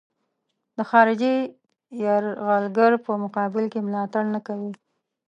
د خارجي یرغلګر په مقابل کې ملاتړ نه کوي.